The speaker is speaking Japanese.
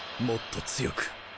もっと強く！